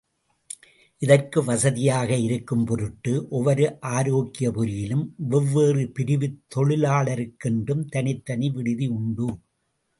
இதற்கு வசதியாக இருக்கும் பொருட்டு ஒவ்வொரு ஆரோக்கியபுரியிலும் வெவ்வேறு பிரிவுத் தொழிலாளருக்கென்றும் தனித்தனி விடுதி உண்டு.